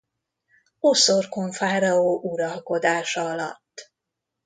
Oszorkon fáraó uralkodása alatt.